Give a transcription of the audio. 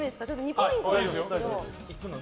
２ポイントなんですけど。